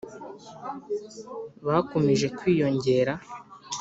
bakomeje kwiyongera